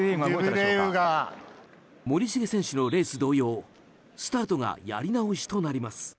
森重選手のレース同様スタートがやり直しとなります。